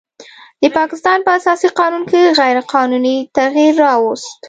د پاکستان په اساسي قانون کې غیر قانوني تغیر راوست